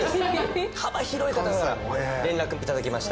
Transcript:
幅広い方から連絡頂きました。